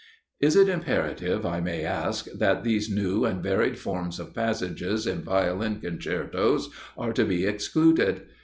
Is it imperative, I may ask, that these new and varied forms of passages in Violin concertos are to be excluded?